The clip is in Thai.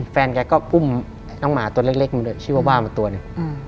แฟนแกก็อุ้มน้องหมาตัวเล็กมาด้วยชื่อว่าว่ามาตัวหนึ่ง